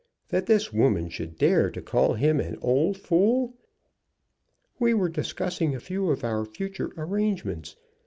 That this woman should dare to call him an old fool! "We were discussing a few of our future arrangements.